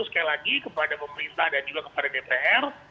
sekali lagi kepada pemerintah dan juga kepada dpr